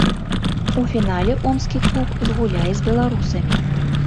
У фінале омскі клуб згуляе з беларусамі.